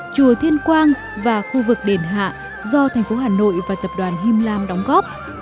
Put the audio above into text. chùa thiên quang và khu vực đền hạ do tp hà nội và tập đoàn him lam đóng góp